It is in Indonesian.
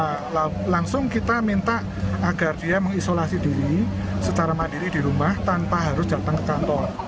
nah langsung kita minta agar dia mengisolasi diri secara mandiri di rumah tanpa harus datang ke kantor